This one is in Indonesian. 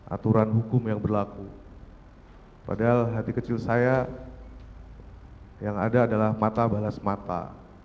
aturan hukum yang berlaku padahal hati kecil saya yang ada adalah mata balas mata